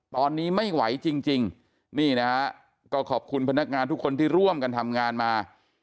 ตอนนี้ไม่ไหวจริงนี่นะฮะก็ขอบคุณพนักงานทุกคนที่ร่วมกันทำงานมา